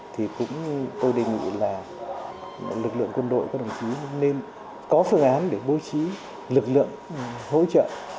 thì tôi đề nghị là lực lượng quân đội các đồng chí nên có phương án để bố trí lực lượng hỗ trợ